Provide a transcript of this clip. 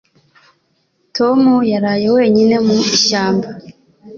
Tom yaraye wenyine mu ishyamba.